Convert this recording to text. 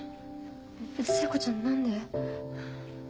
聖子ちゃん何で？